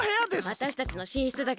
わたしたちのしんしつだけどね。